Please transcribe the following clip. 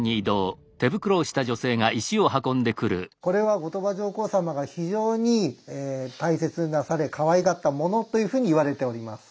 これは後鳥羽上皇様が非常に大切になされかわいがったものというふうに言われております。